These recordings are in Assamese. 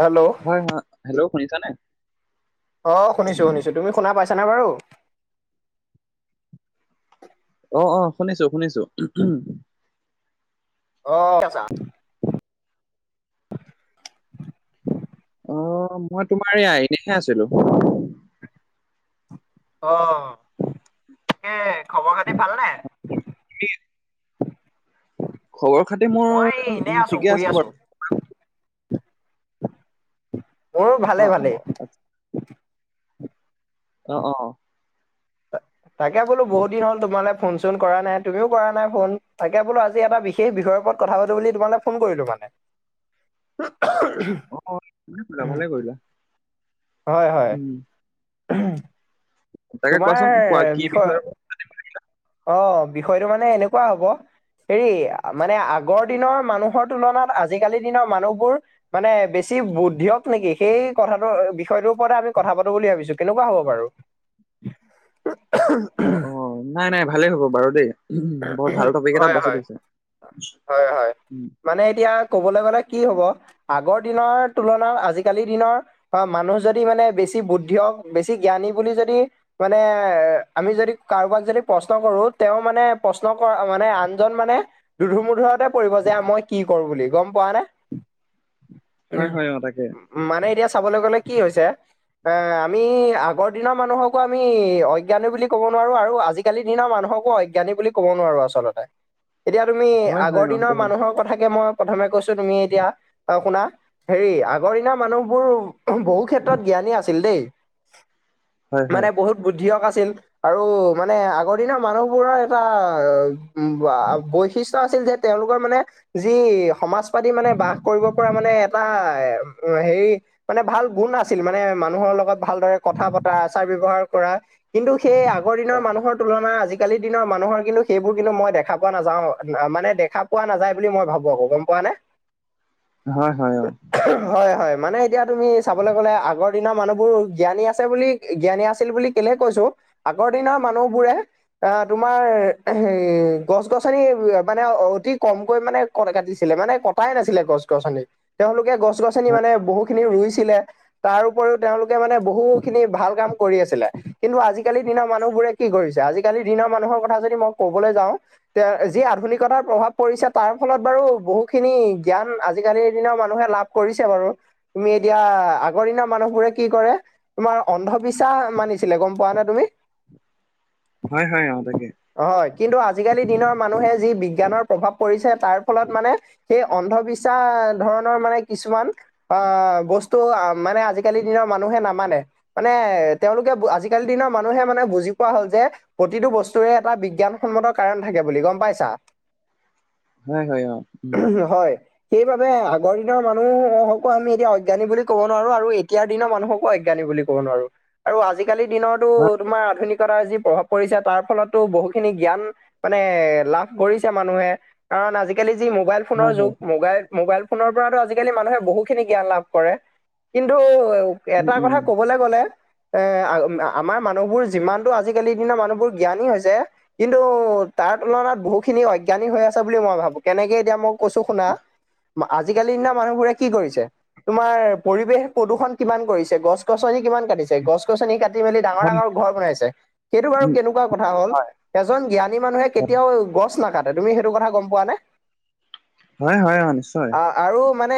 হেল্ল' হয়, হয়, হেল্ল' শুনিছানে? অ, শুনিছো শুনিছো, তুমি শুনা পাইছানে বাৰু? অঁ, অঁ শুনিছো শুনিছো। অঁ! কেইচা অ, মই তোমাৰ এইয়া এনেইহে আছিলো। অহ, তাকে খবৰ খাতি ভালনে? খবৰ-খাতি মোৰ মই এনেই ঠিকেই শুই আছো বাৰু। মোৰ অ ভালে, অ ভালেই। আচ্ছা, অঁ, অঁ, তাকে বোলো বহুত দিন হ'ল তোমালে ফোন চোন কৰা নাই, তুমিও কৰা নাই ফোন। তাকে বোলো আজি এটা বিশে সেই, বিষয়ৰ ওপৰত কথা পাতো বুলি তোমালে ফোন কৰিলো মানে। অ ভালে কৰিলা, ভালেই কৰিলা। হয়, হয়। উম! উমহু তাকে তোমাৰ কোৱাচোন কোৱা কি বিষয়, বিষয়ে অ বিষয়টো মানে এনেকুৱা হ'ব হেৰি মানে আগৰ দিনৰ মানুহৰ তুলনাত, আজিকালি দিনৰ মানুহবোৰ মানে বেছি বুদ্ধিয়ক নেকি? সেই কথাটো বিষয়টোৰ ওপৰতে আমি কথা পাতো বুলি ভাবিছো। কেনেকুৱা হ'ব বাৰু? [unintelligible] অ, অ নাই নাই ভালেই হ'ব বাৰু দেই। বৰ ভাল টপিক এটা হয় বাচি হয় থৈছা। হয় হয় উম! মানে এতিয়া ক'বলৈ গলে কি হব আগৰ দিনৰ তুলনাত, আজিকালি দিনৰ বা মানুহ যদি মানে বেছি বুদ্ধিয়ক, বেছি জ্ঞানী বুলি যদি মানে আমি যদি কাৰোবাক যদি প্ৰশ্ন কৰো! তেওঁ মানে প্ৰশ্ন কৰা মানে, আনজন মানে দুধুৰ-মুধুৰতে পৰিব যে মই কি কৰো বুলি গোম পোৱা নে? হয়, হয়, অ তাকে। মানে, এতিয়া চাবলৈ গলে কি হৈছে এ আমি আগৰ দিনৰ মানুহকো আমি অজ্ঞানী বুলি ক'ব নোৱাৰো, আৰু আজি কালি দিনৰ মানুহকো অজ্ঞানী বুলি কব নোৱাৰো আচলতে, এতিয়া তুমি হয় হয় আগৰ অ সেইটো দিনৰ হয় মানুহৰ কথাকে মই প্ৰথমে কৈছো! তুমি এতিয়া অ শুনা, হেৰি আগৰ দিনৰ মানুহবোৰ বহু ক্ষেত্ৰত জ্ঞানী আছিল দেই। হয় হয় মানে বহুত বুদ্ধিয়ক আছিল, আৰু মানে আগৰ দিনৰ মানুহবোৰৰ এটা বৈশিষ্ট আছিল যে- তেওঁলোকৰ মানে যি সমাজ পাতি মানে বাস কৰিব পৰা, মানে এটা হেৰি মানে ভাল গুণ আছিল মানে মানুহৰ লগত ভালদৰে কথা পতা, আচাৰ-ব্যৱহাৰ কৰা, কিন্তু সেই আগৰ অ দিনৰ মানুহৰ তুলনা, আজিকালিৰ দিনৰ মানুহৰ কিন্তু সেইবোৰ কিন্তু মই দেখা পোৱা নাযাও মানে দেখা পোৱা নাযায় বুলি মই ভাবো আকৌ গম পোৱা নে। [unintelligible] হয়, হয়, অ! হয়, হয় মানে এতিয়া তুমি চাবলৈ গ'লে আগৰ দিনৰ মানুহবোৰ জ্ঞানী আছে বুলি জ্ঞানী আছিল বুলি কেলেহে কৈছো, আগৰ দিনৰ মানুহবোৰে আহ তোমাৰ, হে গছ-গছনি মানে অতি কমকৈ মানে কট এটা দিছিলে মানে কটাই নাছিলে গছ গছনি তেওঁলোকে গছ গছনি মানে বহুখিনি ৰুইছিলে তাৰ উপৰিও তেওঁলোকে মানে বহু খিনি ভাল কাম কৰি আছিলে কিন্তু আজিকালিৰ দিনৰ মানুহ বোৰে কি কৰিছে আজিকালি দিনৰ মানুহৰ কথা যদি মই ক'বলৈ যাওঁ তে যি আধুনিকতাৰ প্ৰভাৱ পৰিছে তাৰ ফলত বাৰু বহুখিনি জ্ঞান আজিকালিৰ দিনৰ মানুহে লাভ কৰিছে বাৰু তুমি এতিয়া আগৰ দিনৰ মানুহবোৰে কি কৰে তোমাৰ অন্ধবিশ্বাস মানিছিলে গম পোৱা নে তুমি হয় হয় অঁ তাকে হয় কিন্তু আজিকালি দিনৰ মানুহে যি বিজ্ঞানৰ প্ৰভাৱ পৰিছে তাৰ ফলত মানে সেই অন্ধবিশ্বাস ধৰণৰ মানে কিছুমান অ বস্তু মানে আজিকালি দিনৰ মানুহে নামানে মানে তেওঁলোকে আজিকালি দিনৰ মানুহে মানে বুজি পোৱা হল যে প্ৰতিটো বস্তুৰে এটা বিজ্ঞান সন্মত কাৰণ থাকে বুলি গোম পাইছা হয় হয় অ উম হয় সেইবাবে আগৰ দিনৰ মানুহকো আমি এতিয়া অজ্ঞানী বুলি ক'ব নোৱাৰো আৰু এতিয়াৰ দিনৰ মানুহকো অজ্ঞানী বুলি আৰু আজিকালি দিনতো হয় তোমাৰ আধুনিকতাৰ যি প্ৰভাৱ কৰিছে তাৰ ফলতো বহুখিনি জ্ঞান মানে লাভ কৰিছে মানুহে কাৰণ আজিকালি যি মোবাইল ফোনৰ হয় হয় যুগ মোবাইল মোবাইল ফোনৰ পৰাতো আজিকালি মানুহে বহুখিনি জ্ঞান লাভ কৰে কিন্তু উম এটা উম কথা ক'বলৈ গ'লে এ আমাৰ মানুহবোৰ যিমানতটো আজিকালি সদিনা মানুহবোৰ জ্ঞানী হৈছে কিন্তু তাৰ তুলনাত বহুতখিনি অজ্ঞানিক হৈ আছে বুলি মই ভাবো কেনেকে এতিয়া মই কৈছো শুনা আজিকালিৰ দিনা মানুহবোৰে কি কৰিছে তোমাৰ পৰিৱেশ প্ৰদূষণ কিমান কৰিছে গছ গছনি কিমান কাটিছে গছ গছ গছনি কাটি মেলি ডাঙৰ হয় ডাঙৰ ঘৰ বনাইছে সেইটো বাৰু উম কেনেকুৱা কথা হল হয় এজন জ্ঞানী মানুহে হয় কেতিয়াও গছ নাকাটে তুমি সেইটো কথা গম পোৱা নে হয় হয় অ নিশ্চয় আৰু মানে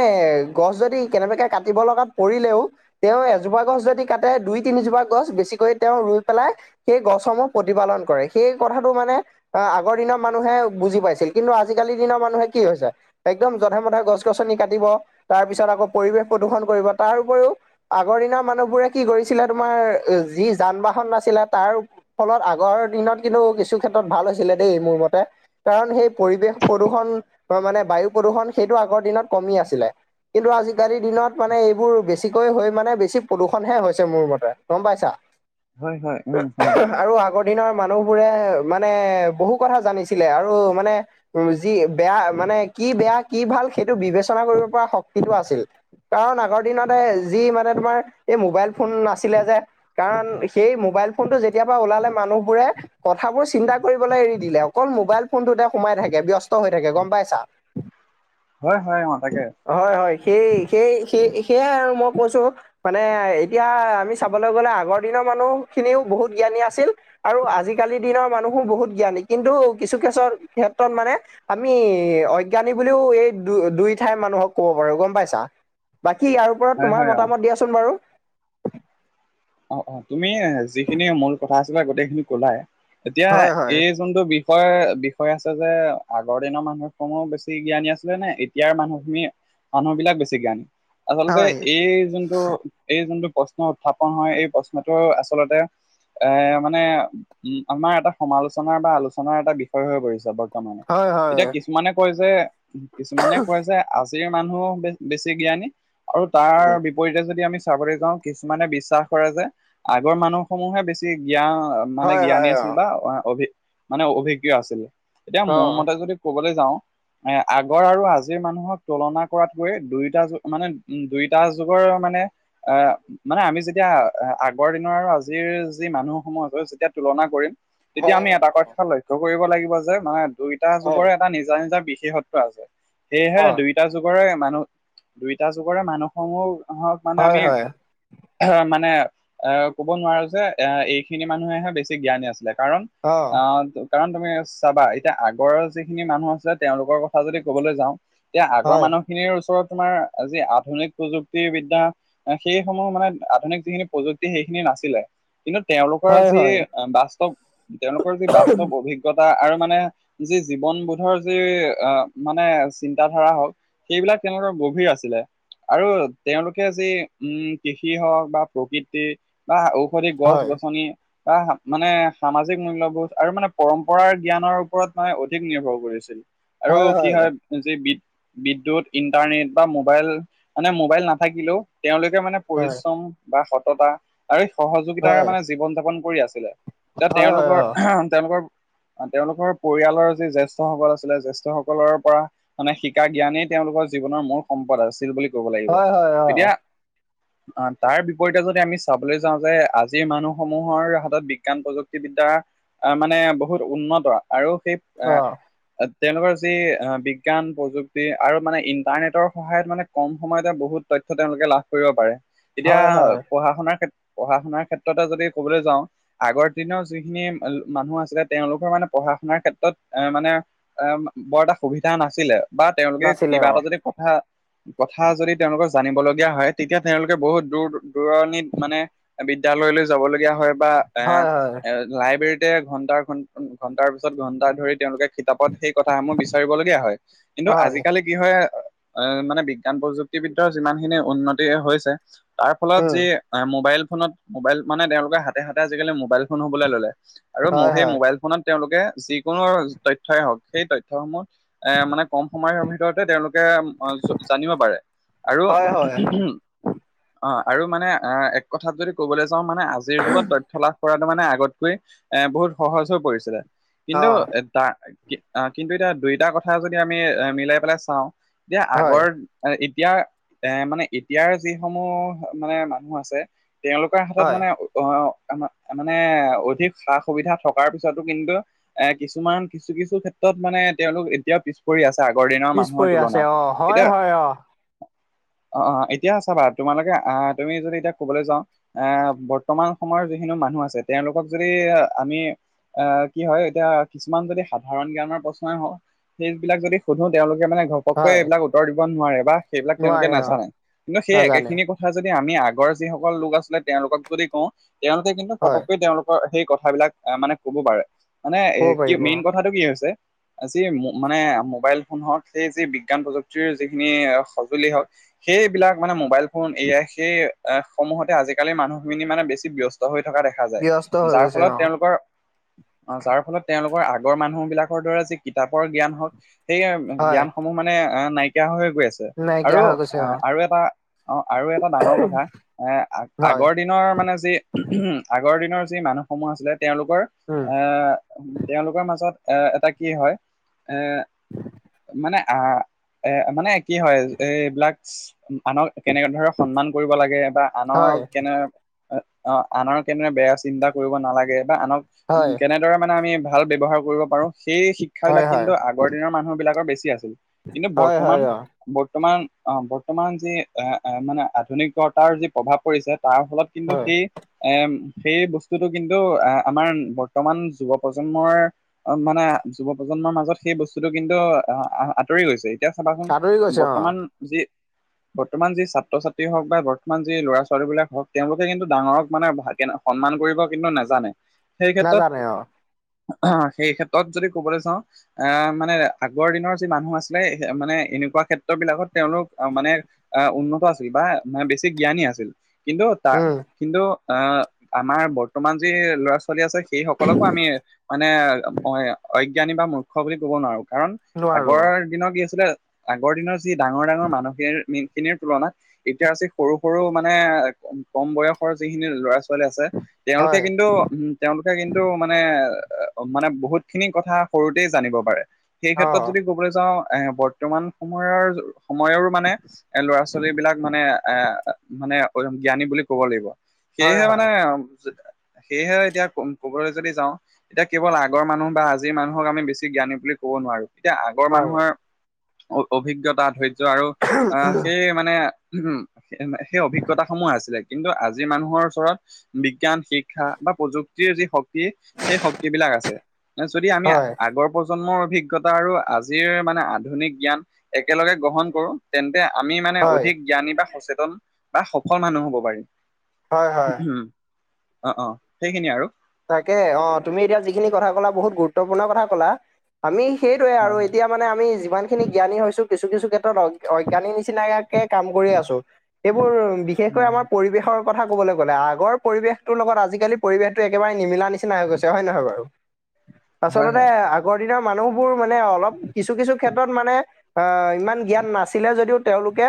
গছ যদি কেনেবাকৈ কাটিব লগাত পৰিলেও তেওঁ এজোপা গছ যদি কাটে দুই তিনিজোপা গছ বেছিকৈ তেওঁ ৰুই পেলাই সেই গছসমূহ প্ৰতিপালন কৰে সেই কথাটো মানে আহ আগৰ দিনৰ মানুহে বুজি পাইছিল কিন্তু আজিকালিৰ দিনৰ মানুহে কি হৈছে একদম জধে মধে গছ গছনি কাটিব তাৰ পিছত আকৌ পৰিৱেশ প্ৰদূষণ কৰিব তাৰ উপৰিও আগৰ দিনৰ মানুহবোৰে কি কৰিছিলে তোমাৰ যি যান বাহন নাছিলাত তাৰ ফলত আগৰ দিনত কিন্তু কিছু ক্ষেত্ৰত ভাল হৈছিলে দেই মোৰ মতে কাৰণ সেই পৰিৱেশ প্ৰদূষণ মানে বায়ু প্ৰদূৰণ সেইটো আগৰ দিনত কমি আছিলে কিন্তু আজিকালিৰ দিনত মানে এইবোৰ বেছিকৈ হৈ মানে বেছি প্ৰদূষণহে হৈছে মোৰ মতে গম পাইছা হয় হয় উম হয় আৰু আগৰ দিনৰ মানুহ বোৰে মানে বহু কথা জানিছিলে আৰু মানে উ যি বেয়া মানে কি বেয়া কি ভাল সেইটো বিবেচনা কৰিব পৰা শক্তিটো আছিল কাৰ ন আ আগৰ দিনতে যি মানে তোমাৰ এই মোবাইল ফোন নাছিলে যে কাৰণ সেই মোবাইল ফোনটো যেতিয়াবা ওলালে মানুহবোৰে কথাবোৰ চিন্তা কৰিবলৈ এৰি দিলে অকল মোবাইল ফোনটোতে সোমাই থাকে ব্যস্ত হৈ থাকে গম পাইছা হয় হয় হয় অ তাকে হয় হয় সেই সেই সেই সেয়াই আৰু মই কৈছো মানে এতিয়া আমি চাবলৈ গ'লে আগৰ দিনৰ মানুহ খিনিও বহুত জ্ঞানী আছিল। আৰু আজিকালি দিনৰ মানুহো বহুত জ্ঞানী কিন্তু কিছু কেচৰ ক্ষেত্ৰত মানে আমি অজ্ঞানী বুলিও এই দু দুই ঠাই মানুহক কব পাৰো গম পাইছা। বাকী ইয়াৰ ওপৰত হয়, তোমাৰ হয়, অ'। মতামত দিয়াচোন বাৰু। অ অ তুমি যিখিনি মূল কথা আছিলা গোটেইখিনি কলাই এতিয়া হয় হয় এইজ যোনটো বিষয় বিষয় আছে যে আগৰ দিনৰ মানুহে কও বেছি জ্ঞানী আছিলে নে এত- তিয়াৰ মানুহখিনি মানুহবিলাক বেছি জ্ঞানী। আচলতে হয় এই যোনটো এই যোনটো প্ৰশ্ন উত্থাপন হয় এই প্ৰশ্নটো আচলতে। এ মানে উম আমাৰ এটা সমালোচনাৰ বা আলোচনাৰ এটা বিষয় হৈ পৰিছে বৰ্ত- ত মানে হয় হয় এতিয়া কিছুমানে কয় যে কিছুমানে কয় যে আজিৰ মানুহো বেছি জ্ঞানী আৰু তাৰ উম, বিপৰীতে যদি আমি চাবৰি যাওঁ কিছুমানে বিশ্বাস কৰে যে আগৰ মানুহ সমূহে বেছি জ্ঞা- মানে হয় জ্ঞানী হয় আছিল অ বা অভি মানে অভিজ্ঞ আছিল্ এতিয়া মোৰ মতে যদি ক'বলে যাওঁ। এ আগৰ আৰু আজিৰ মানুহক তুলনা কৰাতকৈ দুয়োটা যুগ মানে দুইটা যুগৰ মানে এ মানে আমি যেত- তিয়া আগৰ দিনৰ আৰু আজিৰ যি মানুহসমূহ হৈ যেতিয়া তুলনা কৰিম। অ তেতিয়া আমি এটা কথা লক্ষ্য কৰিব লাগিব যে মানে দুইটা যুগৰে টা নিজ নিজ বিশেষত্ব আছে সেয়েহে দুই দুইটা যুগৰে মানুহ দুইটা যুগৰে মানুহসমূহ হক মানে হয় আমি হয় আহ মানে এ ক'ব নোৱাৰো যে এ এইখিনি মানুহেহে বেছি জ্ঞানী আছিলে কাৰণ অ যুগ কাৰণ তুমি চাবা এতিয়া আগৰৰ যিখিনি মানুহ আছে তেওঁলোকৰ কথা যদি কবলৈ যাওঁ। তিয়া আগৰ অ মানুহখিনিৰ ওচৰত তোমাৰ যি আধুনিক প্ৰযুক্তি বিদ্যা সেই সমূহ মানে আধুনিক যিখিনি প্ৰযুক্তি সেইখিনি নাছিলে কিন্তু তেওঁলোকৰ হয় হয় অ হয় যি হয় বাস্তৱ তেওঁলোকৰ যি বাস্তৱ অভিজ্ঞ- অভিজ্ঞতা আৰু মানে যি জীৱন বোধৰ যি আহ মানে চিন্তা ধাৰা হওঁক সেইবিলাক তেওঁলোকৰ গভীৰ আছিলে আৰু তেওঁলোকে যি উম কৃষ ষি হওক বা প্ৰকৃতি বা ঔষধি হয় গছ-গছনি বা মানে সামাজিক মূল্যবোধ আৰু মানে পৰম্পৰাৰ জ্ঞানৰ ওপৰত মানে অধিক নিৰ্ভৰ কৰিছিল। আৰু কি হয় যি বিদ বিদ্যুৎ, ইণ্টাৰনেট বা মোবাইল মানে মোবাইল নাথাকিলেও তেওঁলোকে মানে হয় পৰিশ্ৰম বা সততা আৰু সহযোগিতাৰে হয়, মানে জীৱন যাপন কৰি আছিলে। এতিয়া হয়, হয়, তেওঁলোকৰ অ, তেওঁলোকৰ তেওঁলোকৰ পৰিয়ালৰ যি জ্যেষ্ঠসকলে আছিলে জ্যেষ্ঠসকলে পৰা মানে শিকা জ্ঞানেই তেওঁলোকৰ জীৱনৰ মূল সম্পদ আছিল বুলি কব লাগিব। হয়, হয়, অ, তেতিয়া অ তাৰ বিপৰীতে যদি আমি চাবলৈ যাওঁ যে আজিৰ মানুহসমূহৰ হাতত বিজ্ঞান প্ৰযুক্তিবিদ্যা আহ মানে বহুত উন্নত আৰু সেইপ আ অ, অত তেওঁলোকৰ যি বিজ্ঞান প্ৰযুক্তি আৰু মানে ইণ্টাৰনেটৰ সহায়ত মানে কম সময়তে বহুত তথ্য তেওঁলোকে লাভ কৰিব পাৰে। এতিয়া হয়, হয়, পঢ়া শুনাৰ ক্ষেত- পঢ়া শুনাৰ ক্ষেত্ৰতে যদি ক'বলৈ যাওঁ। আগৰ দিনৰ যিখিনি মানুহ আছিলে তেওঁলোকৰ মানে পঢ়া শুনাৰ ক্ষেত্ৰত এ মানে এ বৰ এটা সুবিধা নাছিলে বা তেওঁলোকে নাছিলে কিবা অ, এটা যদি কথা কথা যদি তেওঁলোকৰ জানিবলগীয়া হয় তেতিয়া তেওঁলোকে বহুত দূৰ দূৰণিত মানে বিদ্যয়ালয়লৈ যাব লগীয়া হয়। হয়, হয়, এ লাইব্ৰেৰী ঘন্টা ঘন্টা, ঘন্টাৰ পিছত ঘন্টা ধৰি তেওঁলোকে কিতাপত সেই কথাসমূহ বিচাৰিবলগীয়া হয় কিন্তু হয়, আজিকালি। কি হয় আহ মানে বিজ্ঞান প্ৰযুক্তিবিদ্যাৰ যিমান খিনি উন্নতি হৈছে। তাৰ ফলত উম, যি। অ মোবাইল ফোনত মোবাইল মানে তেওঁলোকে হাতে হাতে আজিকালি মোবাইল ফোন হবলে ললে। আৰু হয়, সেই হয়, মোবাইল ফোনত তেওঁলোকে যিকোনো তথ্যয়ই হওক সেই তথ্যয়সমূহ, এ মানে কম সময়ৰ ভিতৰতে তেওঁলোকে জানিব পাৰে আৰু হয়, হয়, অ আৰু মানে এ, কথাত যদি ক'বলৈ যাওঁ মানে আজিৰ যুগত তথ্য লাভ কৰাটো মানে আগত, এ বহুত সহজ হৈ পৰিছিলে অ, কিন্তু এ, তাৰ কিন্তু এতিয়া দুইটা কথা যদি আমি এ মিলাই পেলাই চাওঁ এতিয়া হয়, আগৰ, এতিয়া এ মানে এতিয়াৰ যিসমূহ মানে মানুহ আছে তেওঁলোক, হাতত হয়, মানে অ মানে অধিক সা সুবিধা থকাৰ পিছতো কিন্তু, এ কিছুমান কিছু কিছু ক্ষেত্ৰত মানে তেওঁলোক এতিয়াও পিছত, কৰি আছে আগৰ দিনৰ পিছ মানুহৰ পৰি আছে তুলনাত অ, হয়, এতিয়া, হয় অ, অ অ এতিয়া চাবা বাৰু তোমালোকে আহ তুমি যদি এতিয়া ক'বলৈ যাওঁ, আহ বৰ্তমান সময়ৰ যিখিনি মানুহ আছে তেওঁলোকক যদি আমি। আহ কি হয় এতিয়া কিছুমান যদি সাধাৰণ জ্ঞানৰ প্ৰশ্নই হয়ওক, সেইজ বিলাক যদি সুধো তেওঁলোকে মানে ঘ ঘপকে হয়, এইবিলাক উত্তৰ দিব নোৱাৰে বা সেইবিলাক তেওঁলোকে নোৱাৰে অ, নাজানে কিন্তু সেই নাজানে। একেখিনি কথা, যদি আমি আগৰ যিসকল লোক আছিলে তেওঁলোকক যদি কওঁ তেওঁলোকে কিন্তু হয়, পটককৈ তেওঁলোক, সেই কথাবিলাক এ মানে ক'ব পাৰে মানে এ ক'ব কি পাৰিব অ, মেইন কথাটো কি হৈছে। যি মানে মোবাইল ফোন হওক সেই যি বিজ্ঞান প্ৰযুক্তিৰ যিখিনি সঁজুলি হওক, সেইবিলাক মানে মোবাইল ফোন এ আই সেই সমূহতে আজিকালিৰ মানুহখিনি মানে বেছি ব্যস্ত হৈ থকা দেখা, দেখা যায় ব্যস্ত হৈ যাৰ গৈছে ফলত অ, তেওঁলোকৰ। অ যাৰ ফলত তেওঁলোকৰ আগৰ মানুহ বিলাকৰ দ্বৰে যি কিতাপৰ জ্ঞান হওক, সেই জ্ঞানসমূহ মানে অ নাইকিয়া হৈ গৈ আছে। নাই কিয়া হৈ গৈছে। অ আৰু এটা অ আৰু এটা ডাঙৰ কথা এ হয়, আগৰ দিন। দিনৰ মানে যি উ আগৰ দিনৰ যি মানুহ সমূহ আছিলে তেওঁলোকৰ উম, এ, তেওঁলোকৰ মাজত এ এটা কি হয় এ, মানে আহ এ মানে কি হয় এইবিলাক আনক কেনেকে ধৰক। সন্মান কৰিব লাগে বা আনৰ হয়, কেনে, অ আনৰ কেনেৰে বেয়া চিন্তা কৰিব নালাগে বা আনক হয়, কেনে, ৰে মানে আমি ভাল ব্যৱহাৰ কৰিব পাৰো সেই হয়, শিক্ষাবিলাক হয়, কিন্তু আগৰ দিনৰ মানুহ বিলাকৰ বেছি আছিল। কিন্তু হয়, হয়, বৰ্তমান অ, বৰ্তমান। অ বৰ্তমান যি এ মানে আধুনিকতাৰ যি প্ৰভাৱ পৰিছে তাৰ ফলত কিন্তু হয়, সেই। এ সেই বস্তুটো কিন্তু আহ আমাৰ বৰ্তমান যুৱ প্ৰজন্মৰ। অ মানে যুৱ প্ৰজন্মৰ মাজত সেই বস্তুটো কিন্তু আঁতৰি গৈছে। এতিয়া চাবাচোন আঁতৰি গৈছে অ, বৰ্তমান যি। বৰ্তমান যি ছাত্ৰ ছাত্ৰী হওক বা বৰ্তমান যি ল'ৰা ছোৱালীবিলাক হওক তেওঁলোকে কিন্তু ডাঙৰক মানে ভাগে ন, সন্মান কৰিব কিন্তু নাজানে সেই ক্ষেত্ৰত। নাজানে অ, অ সেই ক্ষেত্ৰত যদি ক'বলৈ যাওঁ। আহ মানে আগৰ দিনৰ যি মানুহ আছিলে মানে এনেকুৱা ক্ষেত্ৰ বিলাকত। তেওঁলোক আহ মানে আহ উন্নত আছিল বা মানে বেছি জ্ঞানী আছিল কিন্তু তা। উম, কিন্তু আ আমাৰ বৰ্তমান যি ল'ৰা ছো ছোৱালী আছে সেই সকলকো আমি মানে অজ্ঞানী বা মূৰ্খ বুলি ক'ব নোৱাৰো। কাৰণ নোৱাৰো আগৰ অ, দিনৰ কি আছিলে আগৰ দিনৰ যি। ডাঙৰ ডাঙৰ মানুহখিনিৰ তুলনাত। ইতিয়াচি সৰু সৰু মানে কম বয়সৰ যিখিনি ল'ৰা ছোৱালী আছে। তেওঁলোকে হয়, কিন্তু উম তেওঁলোকে কিন্তু মানে মানে বহুতখিনি কথা সৰুতে জানিব পাৰে। সেই অ, ক্ষেত্ৰত যদি ক'বলৈ যাওঁ এ বৰ্তমান সময়ৰ। সময়ৰো মানে এ ল'ৰা ছোৱালী বিলাক মানে এ মানে জ্ঞানী বুলি ক'ব লাগিব। হয়, সেয়েহে হয়। মানে সেয়েহে এতিয়া কবলৈ যদি যাওঁ। এতিয়া কেৱল আগৰ মানুহ বা আজিৰ মানুহক আমি বেছি জ্ঞানী বুলি ক'ব নোৱাৰো। এতিয়া আগৰ হয় মানুহৰ অভিজ্ঞতা ধৈৰ্য্য আৰু আহ সেই মানে। উম সেই অভিজ্ঞতাসমূহ আছিলে কিন্তু আজি মানুহৰ ওচৰত। বিজ্ঞান শিক্ষা বা প্ৰযুক্তিৰ যি শক তি সেই শক্তিবিলাক আছে যদি আমি হয় আগৰ। প্ৰজন্মৰ অভিজ্ঞতা আৰু আজিৰ মানে আধুনিক জ্ঞান একেলগে গ্ৰহণ কৰোঁ। তেন্তে আমি মানে হয় অধিক জ্ঞানী বা সচেতন বা সফল মানুহ হব পাৰিম। হয় হয় উম অ অ সেইখিনিয়ে আৰু। তাকে অ তুমি এতিয়া যিখিনি কথা কলা বহুত গুৰুত্বপূৰ্ণ কথা কলা আমি সেইটোৱে আৰু হয় হয় এতিয়া। মানে আমি যিমান খিনি জ্ঞানী হৈছো কিছু কিছু ক্ষেত্ৰত অজ্ঞানী নিচিনাকে কাম কৰি আছো। এইবোৰ বিশেষকৈ হয় আমাৰ পৰিৱেশৰ কথা কবলৈ গ'লে আগৰ পৰিৱেশটোৰ লগত আজিকালি পৰিৱেশ। একেবাৰে নিমিলা নিচিনা হৈ গৈছে হয় নহয় বাৰু হয় আচলতে। হয়। আগৰ দিনৰ মানুহবোৰ মানে অলপ কিছু কিছু ক্ষেত্ৰত মানে। আহ ইমান জ্ঞান নাছিলে যদিও তেওঁলোকে।